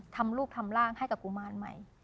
ทำลูกทำร่างให้กับกุมารใหม่